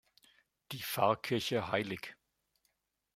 Die Pfarrkirche Hll.